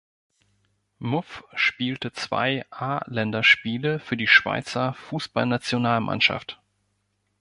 Muff spielte zwei A-Länderspiele für die Schweizer Fussballnationalmannschaft.